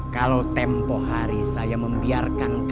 kalau tempoh hari saya membiarkan